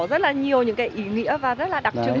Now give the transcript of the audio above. rất là nhiều những cái ý nghĩa và rất là đặc trưng